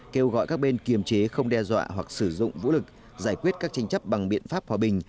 kêu gọi các bên kiềm chế không đe dọa hoặc sử dụng vũ lực giải quyết các tranh chấp bằng biện pháp hòa bình